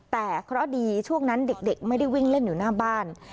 แต่เคราะห์ดีช่วงนั้นเด็กไม่ได้วิ่งเล่นอยู่หน้าบ้าน